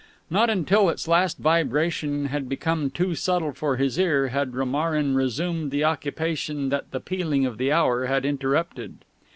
Not until its last vibration had become too subtle for his ear had Romarin resumed the occupation that the pealing of the hour had interrupted.